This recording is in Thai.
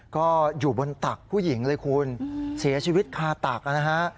ก็อยู่บนตักผู้หญิงเลยคุณเสียชีวิตคาตักนะฮะ